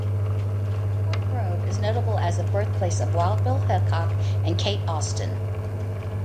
Troy Grove is notable as the birthplace of Wild Bill Hickok and Kate Austin.